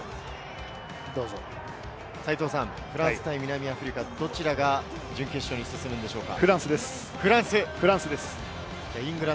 フランス対南アフリカは、どちらが準決勝に進むのでしょうか？